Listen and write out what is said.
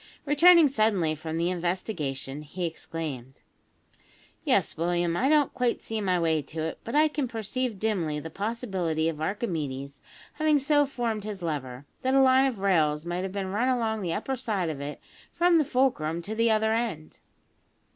Returning suddenly from the investigation, he exclaimed: "Yes, William, I don't quite see my way to it; but I can perceive dimly the possibility of Archimedes having so formed his lever, that a line of rails might have been run along the upper side of it, from the fulcrum to the other end."